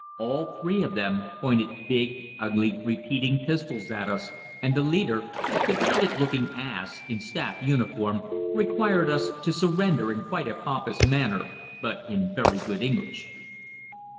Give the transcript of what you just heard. All three of them pointed big, ugly repeating pistols at us, and the leader, a conceited looking ass in staff uniform, required us to 'surrender' in quite a pompous manner, but in very good English.